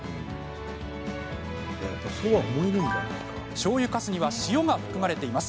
しょうゆかすには塩が含まれています。